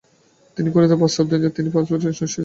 তিনি ক্যুরিকে প্রস্তাব দেন যেন তিনি পাস্তুর ইন্সটিটিউটে চলে